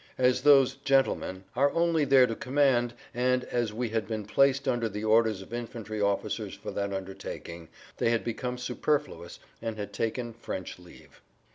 As those "gentlemen" are only there to command and as we had been placed under the orders of infantry officers for that undertaking, they had become superfluous and had taken French leave.